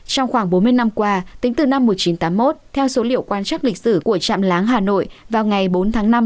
trong khoảng bốn mươi năm qua tính từ năm một nghìn chín trăm tám mươi một theo số liệu quan chắc lịch sử của trạm láng hà nội vào ngày bốn tháng năm năm một nghìn chín trăm tám mươi một